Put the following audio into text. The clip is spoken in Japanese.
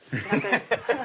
ハハハハ！